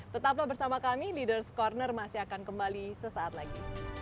tetaplah bersama kami leaders' corner masih akan kembali sesaat lagi